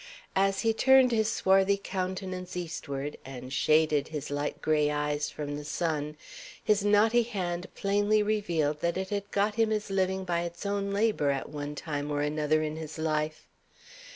As he turned his swarthy countenance eastward, and shaded his light gray eyes from the sun, his knotty hand plainly revealed that it had got him his living by its own labor at one time or another in his life.